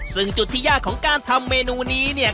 ซึ่งจุดที่ยากของการทำเมนูนี้เนี่ย